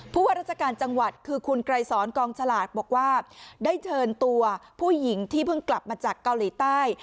ว่าราชการจังหวัดคือคุณไกรสอนกองฉลาดบอกว่าได้เชิญตัวผู้หญิงที่เพิ่งกลับมาจากเกาหลีใต้